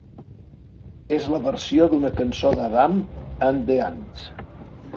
És la versió d'una cançó d'Adam and the Ants.